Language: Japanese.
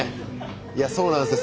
いやそうなんですよ